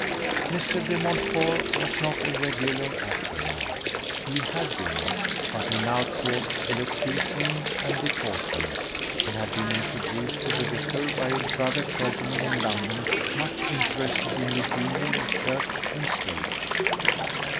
Mr. De Montfort was not a regular actor now. He had been, but he now taught elocution and deportment, and had been introduced to the vicar by a brother clergyman in London much interested in the union of church and stage.